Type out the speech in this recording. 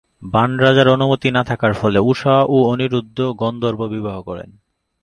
বান রাজার অনুমতি না থাকার ফলে উষা ও অনিরুদ্ধ গন্ধর্ব বিবাহ করেন।